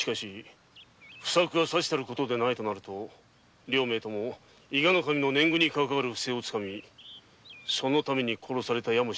不作がさしたることでないとすると両名とも伊賀の年貢絡みの不正をつかみそのため殺されたやも。